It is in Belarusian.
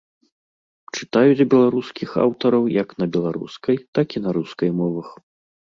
Чытаюць беларускіх аўтараў як на беларускай, так і на рускай мовах.